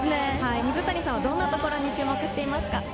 水谷さんはどんなところに注目していますか？